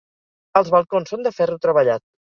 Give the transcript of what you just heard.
Els balcons són de ferro treballat.